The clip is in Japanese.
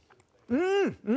うん！